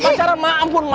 ma ampun ma ampun ma